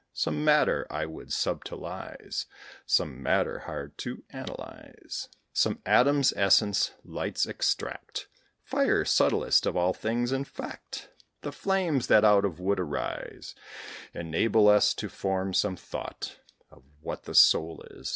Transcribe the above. Some matter I would subtilise, Some matter hard to analyse, Some atoms essence, light's extract; Fire, subtlest of all things; in fact, The flames that out of wood arise Enable us to form some thought Of what the soul is.